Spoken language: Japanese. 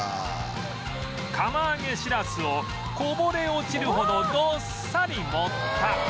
釜揚げシラスをこぼれ落ちるほどどっさり盛った